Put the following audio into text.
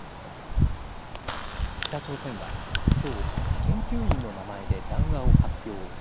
北朝鮮は今日研究員の名前で談話を発表。